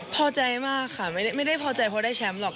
พอใจมากค่ะไม่ได้พอใจเพราะได้แชมป์หรอก